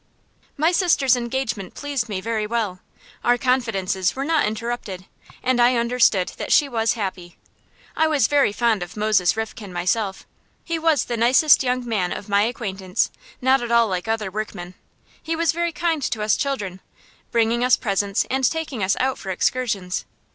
My sister's engagement pleased me very well. Our confidences were not interrupted, and I understood that she was happy. I was very fond of Moses Rifkin myself. He was the nicest young man of my acquaintance, not at all like other workmen. He was very kind to us children, bringing us presents and taking us out for excursions.